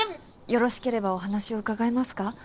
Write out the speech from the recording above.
よろしければお話を伺えますか？